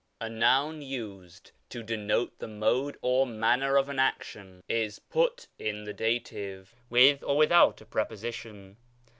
A noun used to denote the mode or manner of an action is put in the dative, with or without a preposition.